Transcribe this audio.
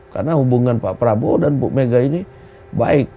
karena hubungan pak prabowo dan bu mega ini baik